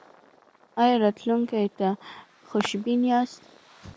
ایا راتلونکي ته خوشبین یاست؟